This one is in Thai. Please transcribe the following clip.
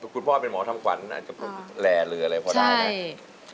คุณพ่อเป็นหมอทำขวัญอาจจะแหล่เรืออะไรพอได้นะ